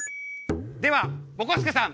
ではぼこすけさん！